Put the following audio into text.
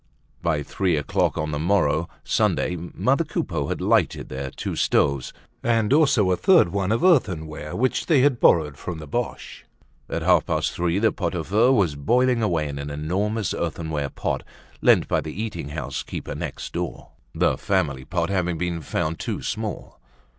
By three o'clock on the morrow, Sunday, mother Coupeau had lighted their two stoves and also a third one of earthenware which they had borrowed from the Boches. At half past three the pot au feu was boiling away in an enormous earthenware pot lent by the eating house keeper next door, the family pot having been found too small.